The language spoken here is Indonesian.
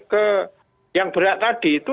ke yang berat tadi itu